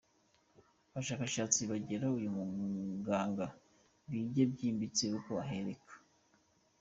Abashakashatsi begere uyu muganga bige byimbitse uko ahereka.